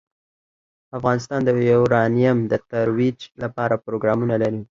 افغانستان د یورانیم د ترویج لپاره پروګرامونه لري.